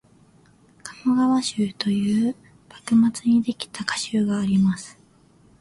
「鴨川集」という幕末にできた歌集があります